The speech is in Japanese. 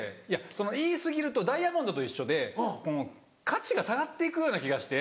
言い過ぎるとダイヤモンドと一緒で価値が下がっていくような気がして。